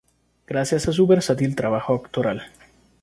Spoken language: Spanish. Gracias a su versátil trabajo actoral.